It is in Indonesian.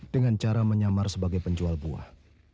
dengan cara menyamar sebagai penjual buah